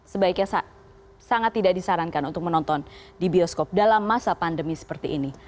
sebaiknya sangat tidak disarankan untuk menonton di bioskop dalam masa pandemi seperti ini